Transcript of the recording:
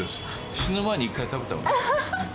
死ぬ前に一回食べたほうがいい。